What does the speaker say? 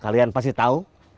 kalian pasti tau